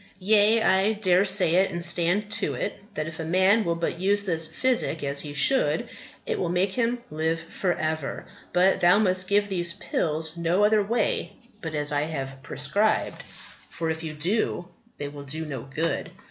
Yea, I dare say it, and stand to it, that if a man will but use this physic as he should, it will make him live for ever. But thou must give these pills no other way but as I have prescribed; for, if you do, they will do no good."